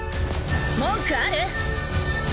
文句ある？